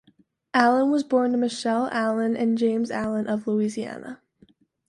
Allen was born to Michelle Allen and James Allen of Louisiana.